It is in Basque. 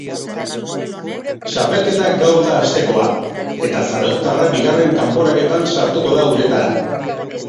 Txapelketa gaur da hastekoa, eta zarauztarra bigarren kanporaketan sartuko da uretara.